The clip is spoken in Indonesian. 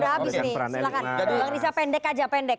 bang risa pendek aja pendek